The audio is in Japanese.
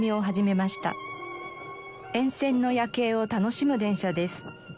沿線の夜景を楽しむ電車です。